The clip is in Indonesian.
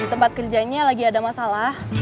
di tempat kerjanya lagi ada masalah